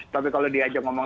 tapi kalau diajak ngomong